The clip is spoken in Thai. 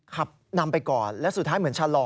ขับนำไปก่อนและสุดท้ายเหมือนชะลอ